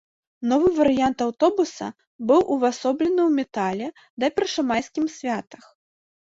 Новы варыянт аўтобуса быў увасоблены ў метале да першамайскім святах.